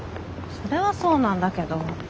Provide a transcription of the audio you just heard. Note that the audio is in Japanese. それはそうなんだけど。